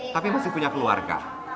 tapi masih punya keluarga